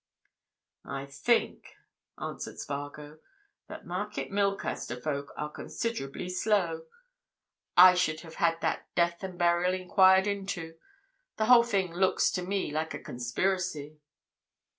"I think," answered Spargo, "that Market Milcaster folk are considerably slow. I should have had that death and burial enquired into. The whole thing looks to me like a conspiracy."